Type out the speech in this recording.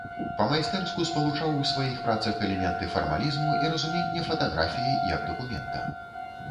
Па-майстэрску спалучаў у сваіх працах элементы фармалізму і разуменне фатаграфіі як дакумента.